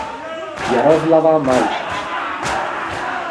Jaroslava Mahučich